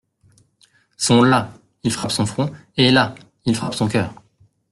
Sont là — Il frappe son front. et là — Il frappe son cœur.